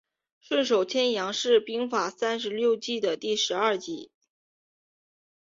顺手牵羊是兵法三十六计的第十二计。